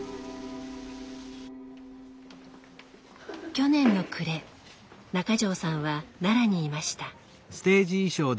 去年の暮れ中条さんは奈良にいました。